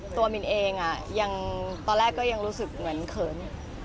มินเองตอนแรกก็ยังรู้สึกเหมือนเขิน